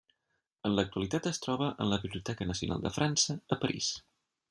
En l'actualitat es troba en la Biblioteca Nacional de França a París.